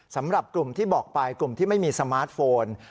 สำหรับกลุ่มที่บอกไปกลุ่มที่ไม่มีสมาร์ทโฟน